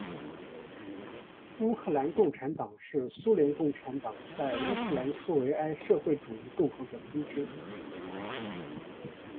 乌克兰共产党是苏联共产党在乌克兰苏维埃社会主义共和国的分支。